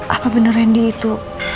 apa beneran randy itu